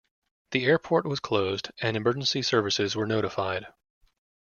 The airport was closed and emergency services were notified.